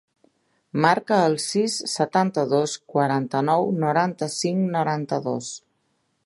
Marca el sis, setanta-dos, quaranta-nou, noranta-cinc, noranta-dos.